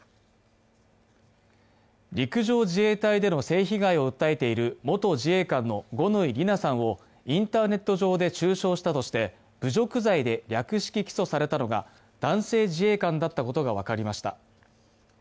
陸上自衛隊での性被害を訴えている元自衛官の五ノ井里奈さんをインターネット上で中傷したとして侮辱罪で略式起訴されたのが男性自衛官だったことが分かりました。